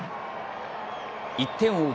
１点を追う